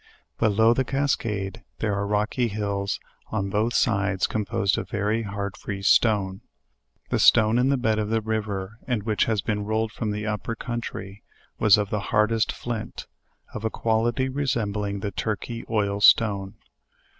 Below the cascade there are rocky hills on both sides com posed of very hard free stone. The stone in the bed of the river, and which has been rolled from the upper country, was of the hardest flint; or of a quality resembling the Turkey oil stone.